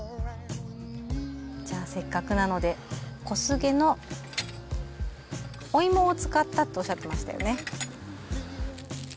じゃあせっかくなので小菅のお芋を使ったとおっしゃってましたよね。